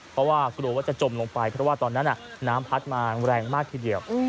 เพราะว่ากลัวว่าจะจมลงไปเพราะว่าตอนนั้นน้ำพัดมาแรงมากทีเดียว